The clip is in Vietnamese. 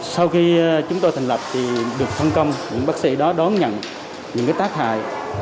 sau khi chúng tôi thành lập thì được phân công những bác sĩ đó đón nhận những tác hại